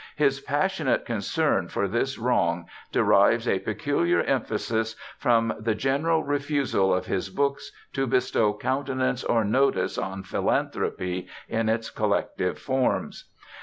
His passionate concern for this wrong derives a peculiar emphasis from the general refusal of his books to bestow countenance or notice on philanthropy in its collective forms.